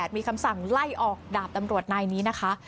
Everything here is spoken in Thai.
มีคำสั่งไล่ออกดาบตำรวจนายนี้นะคะ